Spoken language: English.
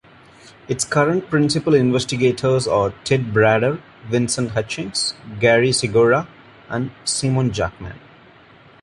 Its current principal investigators are Ted Brader, Vincent Hutchings, Gary Segura, and Simon Jackman.